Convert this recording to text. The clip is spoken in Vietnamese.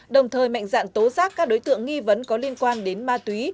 đồng thời mạnh dạng tố giác các đối tượng nghi vấn có liên quan đến ma túy